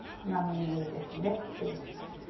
並縫いですねしていきます。